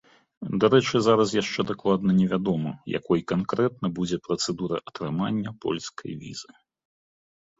Дарэчы, зараз яшчэ дакладна не вядома, якой канкрэтна будзе працэдура атрымання польскай візы.